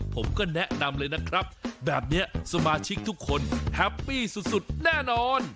ผมก็แนะนำเลยนะครับแบบนี้สมาชิกทุกคนแฮปปี้สุดแน่นอน